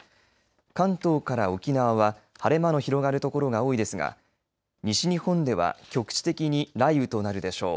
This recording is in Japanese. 関東から沖縄は晴れ間の広がる所が多いですが西日本では局地的に雷雨となるでしょう。